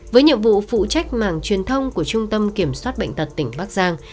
với nhiệm vụ phụ trách mảng truyền thông của trung tâm kiểm soát bệnh tật tỉnh bắc giang